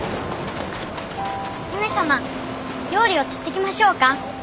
姫様料理を取ってきましょうか？